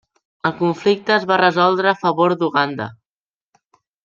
El conflicte es va resoldre a favor d'Uganda.